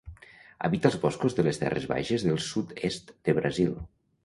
Habita els boscos de les terres baixes del sud-est de Brasil.